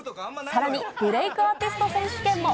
さらに、ブレイクアーティスト選手権も。